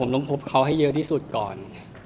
ผมต้องคบเขาให้เยอะที่สุดก่อน